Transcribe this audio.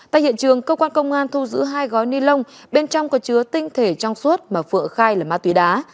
tại hiện trường cơ quan công an thu giữ hai gói ni lông bên trong có chứa tinh thể trong suốt mà phượng khai là ma túy đá